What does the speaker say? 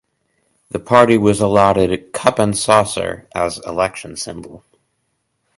The party was allotted "Cup and Saucer" as election symbol.